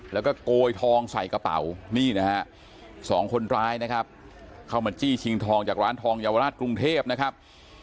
แล้วก็โกยทองใส่กระเป๋านี่นะฮะสองคนร้ายนะครับเข้ามาจี้ชิงทองจากร้านทองเยาวราชกรุงเทพนะครับ